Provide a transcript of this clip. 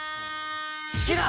好きだ！